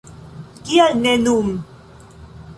Kial ne nun!